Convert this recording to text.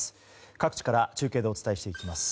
各地から中継でお伝えしていきます。